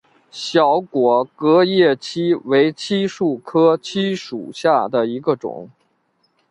小果革叶槭为槭树科槭属下的一个变种。